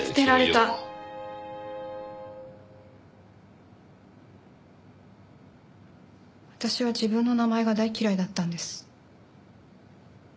あたしは自分の名前が大嫌いだったんです。